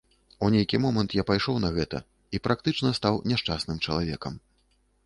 У нейкі момант я пайшоў на гэта, і практычна стаў няшчасным чалавекам.